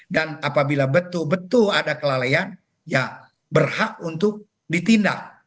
dan apabila betul betul ada kelalaian ya berhak untuk ditindak